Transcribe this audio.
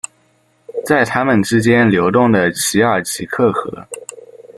在他们之间流动的奇尔奇克河。